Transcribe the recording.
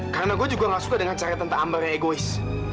karena gue juga nggak suka dengan cara tante ambarnya egois